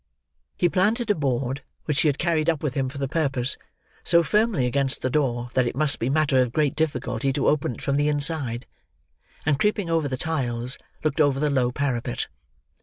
He planted a board, which he had carried up with him for the purpose, so firmly against the door that it must be matter of great difficulty to open it from the inside; and creeping over the tiles, looked over the low parapet.